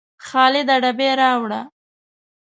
خالده ډبې راوړه